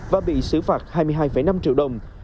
và bị xử phạt hai mươi hai năm triệu đồng